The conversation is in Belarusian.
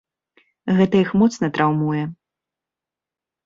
Гэта іх моцна траўмуе.